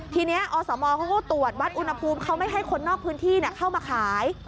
ทีนี้อสมเขาก็ตรวจวัดอุณหภูมิเขาไม่ให้คนนอกพื้นที่เข้ามาขาย